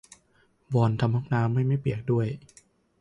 วอนทำห้องน้ำให้ไม่เปียกด้วย